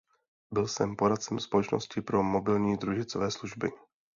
Byl jsem poradcem společnosti pro mobilní družicové služby.